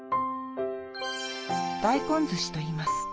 大根ずしといいます。